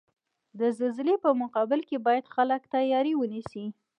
د زلزلزلې په مقابل کې باید خلک تیاری ونیسئ.